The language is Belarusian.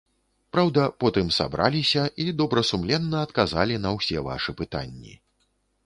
Праўда, потым сабраліся і добрасумленна адказалі на ўсе вашы пытанні.